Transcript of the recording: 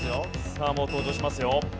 さあもう登場しますよ。